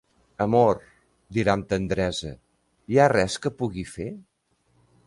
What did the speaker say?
"Amor", dirà amb tendresa, "hi ha res que pugui fer?"